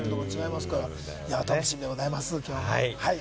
きょうも楽しみでございます。